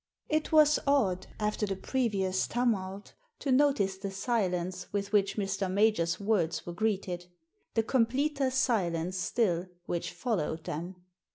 It was odd, after the previous tumult, to notice the silence with which Mr. Major's words were greeted — the completer silence still which followed them.